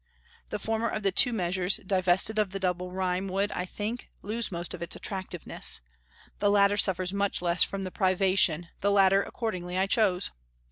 The former of the two measures, divested of the double rhyme, would, I think, lose most of its attractiveness; the latter suffers much less from the privation: the latter accordingly I chose.